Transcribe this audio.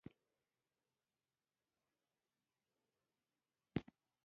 چې د ترياکو د بوټو له منځه نور واښه للون کېږي.